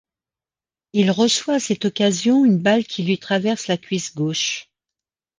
Il reçoit à cette occasion une balle qui lui traverse la cuisse gauche.